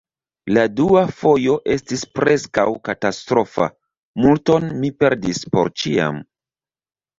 La dua fojo estis preskaŭ katastrofa: multon mi perdis por ĉiam.